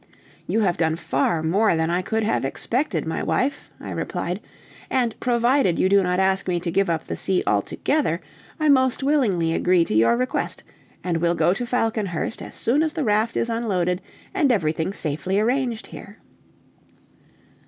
"You have done far more than I could have expected, my wife," I replied, "and provided you do not ask me to give up the sea altogether, I most willingly agree to your request, and will go to Falconhurst as soon as the raft is unloaded, and everything safely arranged here."